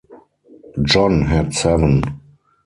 John had seven.